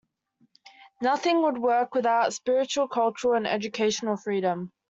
Nothing would work without spiritual, cultural, and educational freedom.